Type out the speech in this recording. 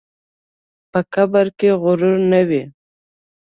په قبر کې غرور نه وي.